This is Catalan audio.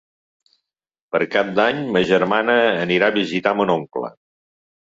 Per Cap d'Any ma germana anirà a visitar mon oncle.